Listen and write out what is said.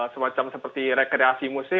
semacam seperti rekreasi muda